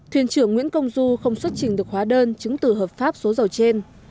thuyền trưởng nguyễn công du không xuất trình được hóa đơn chứng từ hợp pháp số dầu trên